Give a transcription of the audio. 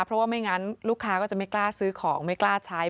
เพราะว่าไม่งั้นลูกค้าก็จะไม่กล้าซื้อของไม่กล้าใช้